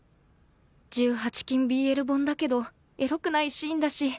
１８禁 ＢＬ 本だけどエロくないシーンだし